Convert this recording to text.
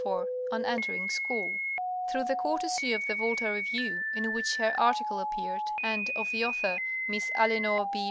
XXIV ON ENTERING SCHOOL Through the courtesy of the Volta Review, in which her article appeared, and of the author, Miss Eleanor B.